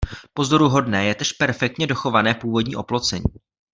Pozoruhodné je též perfektně dochované původní oplocení.